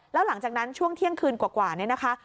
แล้วหลังจากนั้นช่วงเที่ยงคืนกว่าเนี่ยนะคะ